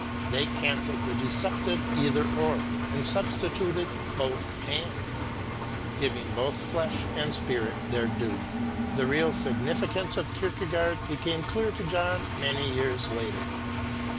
They cancelled the deceptive Either Or, and substituted Both And, giving both flesh and spirit their due. The real significance of Kierkegaard became clear to John many years later.